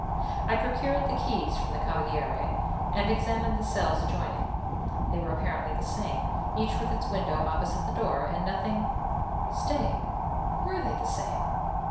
I procured the keys from the Cavaliere, and examined the cells adjoining; they were apparently the same, each with its window opposite the door, and nothing Stay, were they the same?